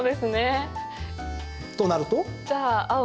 となると？